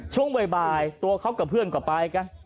ช่วงบ่ายตัวเขากับเพื่อนก็ไปกัน